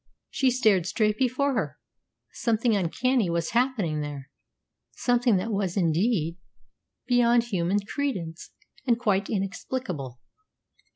She stared straight before her. Something uncanny was happening there, something that was, indeed, beyond human credence, and quite inexplicable.